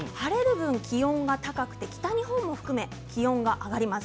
気温が高くて北日本も含めて気温が上がります。